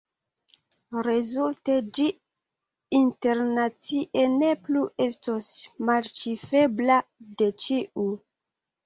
Rezulte ĝi internacie ne plu estos malĉifrebla de ĉiu.